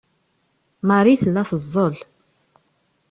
Marie tella teẓẓel.